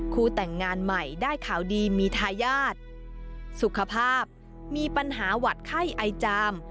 แต่งงานใหม่ได้ข่าวดีมีทายาทสุขภาพมีปัญหาหวัดไข้ไอจาม